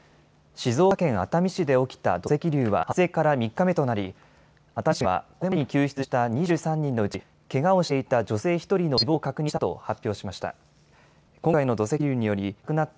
静岡県熱海市で起きた土石流は発生から３日目となり熱海市はこれまでに救出した２３人のうち、けがをしていた女性１人の死亡を確認したと発表しました。